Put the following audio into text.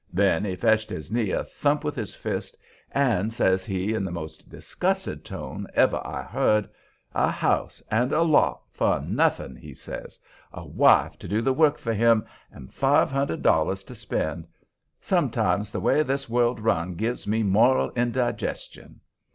Then he fetched his knee a thump with his fist, and says he, in the most disgusted tone ever I heard: "A house and lot for nothing," he says, "a wife to do the work for him, and five hundred dollars to spend! Sometimes the way this world's run gives me moral indigestion."